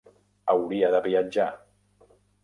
Hauria de viatjar.